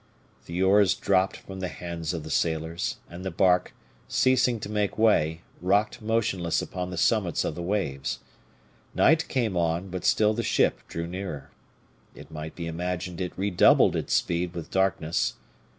The oars dropped from the hands of the sailors, and the bark, ceasing to make way, rocked motionless upon the summits of the waves. Night came on, but still the ship drew nearer. It might be imagined it redoubled its speed with darkness.